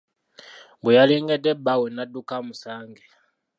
Bwe yalengedde bbaawe n'adduka amusange.